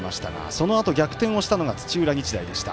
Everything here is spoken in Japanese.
そのあと逆転をしたのが土浦日大でした。